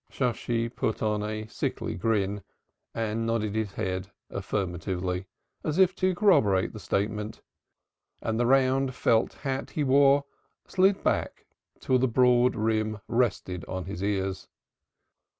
Shosshi put on a sickly grin and nodded his head affirmatively, as if to corroborate the statement, and the round felt hat he wore slid back till the broad rim rested on his ears.